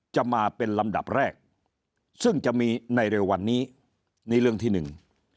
จะมาเป็นลำดับแรกซึ่งจะมีในเร็ววันนี้นี่เรื่องที่หนึ่ง